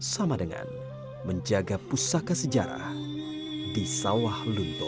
sama dengan menjaga pusaka sejarah di sawah lunto